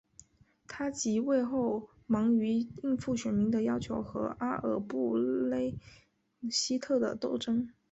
他即位后忙于应付选民的要求和阿尔布雷希特的争斗。